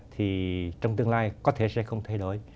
thì trong tương lai có thể sẽ không thay đổi